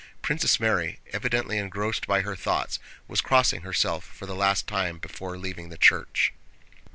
Princess Mary, evidently engrossed by her thoughts, was crossing herself for the last time before leaving the church.